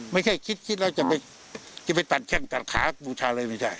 ไม่แค่คิดแล้วจะไปตัดแขมตัดขาปุชา